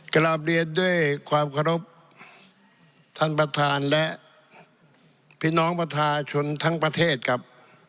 กลับเรียนด้วยความเคารพท่านประธานและพี่น้องประชาชนทั้งประเทศครับ